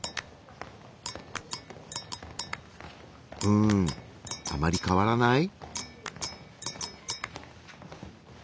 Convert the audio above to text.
うんあまり変わらない？